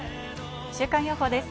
週間予報です。